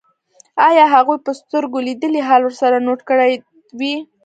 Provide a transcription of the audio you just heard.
ایا هغوی به سترګو لیدلی حال ورسره نوټ کړی وي